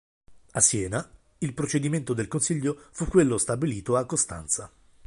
A Siena, il procedimento del Consiglio fu quello stabilito a Costanza.